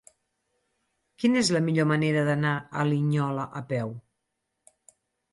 Quina és la millor manera d'anar a Linyola a peu?